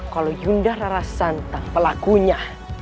kalau yundah rara santang pelakunya